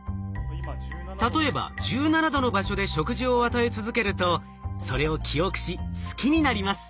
例えば１７℃の場所で食事を与え続けるとそれを記憶し好きになります。